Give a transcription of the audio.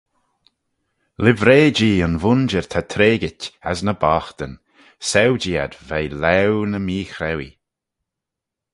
Livrey-jee yn vooinjer ta treigit as ny boghtyn: saue-jee ad veih laue ny mee-chrauee.